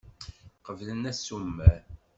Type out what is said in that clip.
Qeblen asumer.